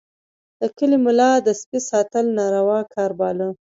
د کلي ملا د سپي ساتل ناروا کار باله.